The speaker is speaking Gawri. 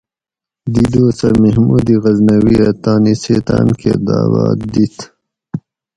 دی دوسہ محمود غزنوی ھہ تانی سیتاۤن کہ داعوات دِت